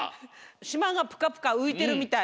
しまがプカプカういてるみたい。